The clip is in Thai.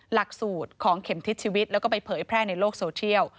หลักสูตรของเข็มทิศชีวิตแล้วก็ไปเผยแพร่ในโลกโซเทียล